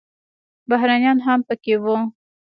بهرنیان هم پکې وو.